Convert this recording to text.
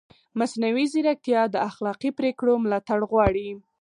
مصنوعي ځیرکتیا د اخلاقي پرېکړو ملاتړ غواړي.